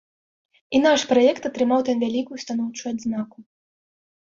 І наш праект атрымаў там вялікую станоўчую адзнаку.